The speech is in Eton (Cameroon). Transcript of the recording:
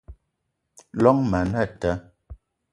Llong ma anata